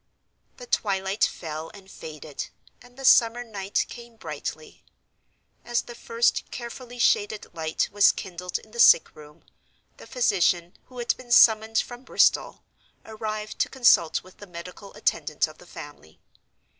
The twilight fell, and faded; and the summer night came brightly. As the first carefully shaded light was kindled in the sick room, the physician, who had been summoned from Bristol, arrived to consult with the medical attendant of the family.